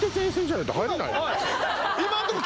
今んとこ